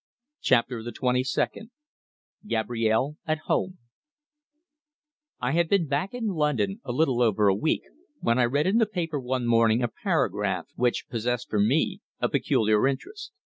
CHAPTER THE TWENTY SECOND GABRIELLE AT HOME I had been back in London a little over a week when I read in the paper one morning a paragraph which possessed for me a peculiar interest.